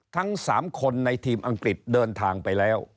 ทั้ง๓คนในทีมอังกฤษเดินทางไปแล้ว